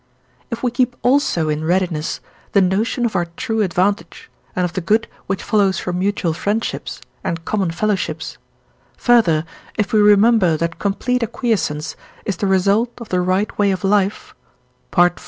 If we keep also in readiness the notion of our true advantage, and of the good which follows from mutual friendships, and common fellowships; further, if we remember that complete acquiescence is the result of the right way of life ( IV.